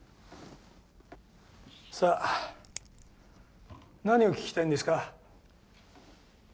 さあ何を聞きたいんですか？